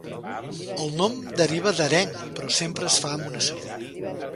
El nom deriva d'areng però sempre es fa amb una sardina.